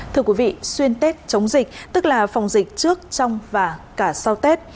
thưa quý vị xuyên tết chống dịch tức là phòng dịch trước trong và cả sau tết